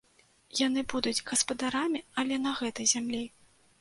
Яны будуць гаспадарамі, але на гэтай зямлі.